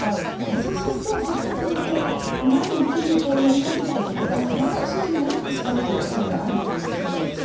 そうすると、せっかく前向きにやり始めたことが、また後ろに戻ってしまうというおそれがあるということなんでしょ